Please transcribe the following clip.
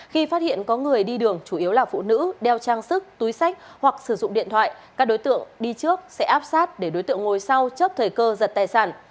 khi phát hiện có người đi đường chủ yếu là phụ nữ đeo trang sức túi sách hoặc sử dụng điện thoại các đối tượng đi trước sẽ áp sát để đối tượng ngồi sau chấp thời cơ giật tài sản